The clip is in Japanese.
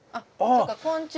あっそうか